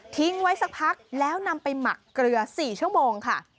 ทิ้งไว้สักพักแล้วนำไปหมักเกลือ๔ชั่วโมงค่ะ